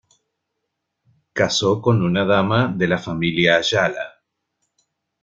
Casó con una dama de la familia Ayala.